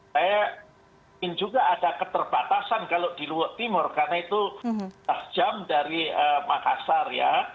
saya ingin juga ada keterbatasan kalau di luar timur karena itu sejam dari makassar